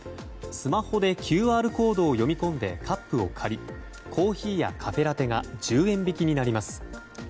スマホでＱＲコードを読み込んでカップを借りコーヒーやカフェラテが１０円引きになります。